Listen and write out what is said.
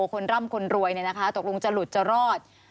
คนร่ำคนรวยตกลงจะหลุดจะรอด